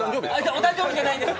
お誕生日じゃないです